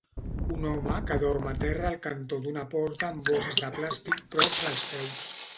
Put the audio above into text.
Un home que dorm a terra al cantó d'una porta amb bosses de plàstic prop dels peus.